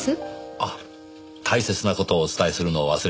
あっ大切な事をお伝えするのを忘れていました。